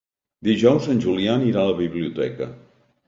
Dijous en Julià anirà a la biblioteca.